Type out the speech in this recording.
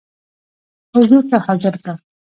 حضور ته حاضر کړ.